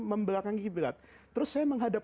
membelakangi belat terus saya menghadap